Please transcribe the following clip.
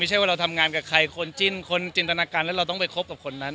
ว่าเราทำงานกับใครคนจิ้นคนจินตนาการแล้วเราต้องไปคบกับคนนั้น